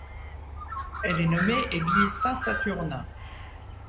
Elle est nommée église Saint-Saturnin.